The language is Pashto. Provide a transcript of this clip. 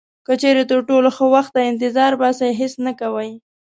که چیرې تر ټولو ښه وخت ته انتظار باسئ هیڅ نه کوئ.